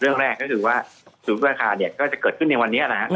เรื่องแรกก็คือว่าสมมุติราคาเนี่ยก็จะเกิดขึ้นในวันนี้นะครับ